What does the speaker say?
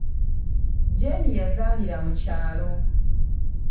Jeeni yazaalira mu kyalo.